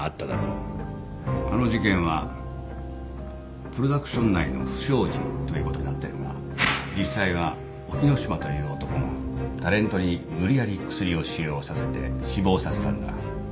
あの事件はプロダクション内の不祥事ということになってるが実際は沖野島という男がタレントに無理やりクスリを使用させて死亡させたんだ